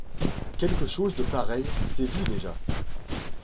Quelque chose de pareil s’est vu déjà.